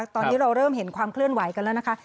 ตอนนี้เราเริ่มเห็นความเคลื่อนไหวกันแล้วนะคะ